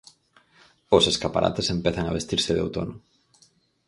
Os escaparates empezan a vestirse de outono.